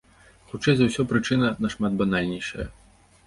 Хутчэй за ўсё, прычына нашмат банальнейшая.